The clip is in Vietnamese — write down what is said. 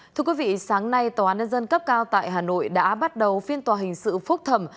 thưa quý vị sáng nay tòa án nhân dân cấp cao tại hà nội đã bắt đầu phiên tòa hình sự phúc thẩm